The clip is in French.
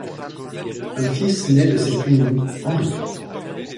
Un fils naît de cette union, Henri.